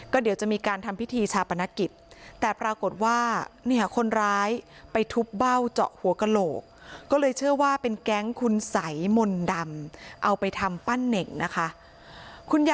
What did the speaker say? ก็เดี๋ยวจะมีการทำพิธีชาปนกิจแต่ปรากฏว่าคนร้ายไปทุบเบ้าเจาะหัวกระโหลก